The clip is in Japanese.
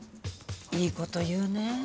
いいこと言うね。